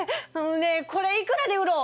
ねえこれいくらで売ろう？